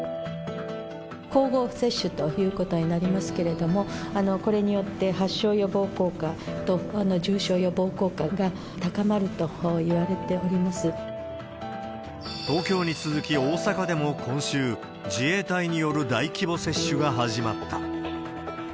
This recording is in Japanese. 交互接種ということになりますけれども、これによって発症予防効果と重症予防効果が高まるといわれており東京に続き、大阪でも今週、自衛隊による大規模接種が始まった。